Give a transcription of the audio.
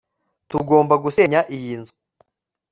tugomba gusenya iyi nzu